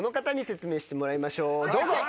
どうぞ。